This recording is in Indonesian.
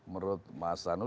menurut mas anu